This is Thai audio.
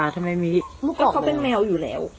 ทราบเป็นแมวอยู่แล้ว